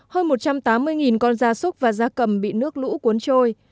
hơn một trăm tám mươi con da súc và da cầm bị nước lũ cuốn trôi